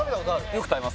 よく食べます